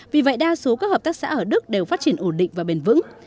vì vậy đa số các hợp tác xã ở đức đều phát triển ổn định và bền vững